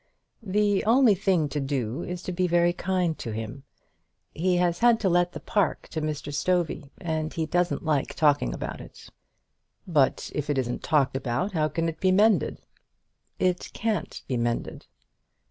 "The only thing to do is to be very kind to him. He has had to let the park to Mr. Stovey, and he doesn't like talking about it." "But if it isn't talked about, how can it be mended?" "It can't be mended."